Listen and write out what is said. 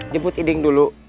jebut iding dulu